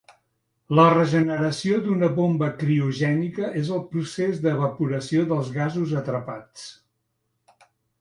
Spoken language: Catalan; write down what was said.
La regeneració d'una bomba criogènica és el procés d'evaporació dels gasos atrapats.